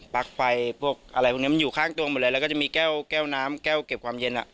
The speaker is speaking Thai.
ลั๊กไฟพวกอะไรพวกนี้มันอยู่ข้างตัวหมดเลยแล้วก็จะมีแก้วแก้วน้ำแก้วเก็บความเย็นอ่ะ